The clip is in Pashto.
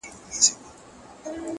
د دې مئين سړي اروا چي څوک په زړه وچيچي;